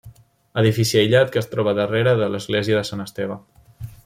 Edifici aïllat, que es troba a darrere de l'església de Sant Esteve.